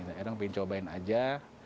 orang ingin cobain aja